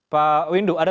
pak windu ada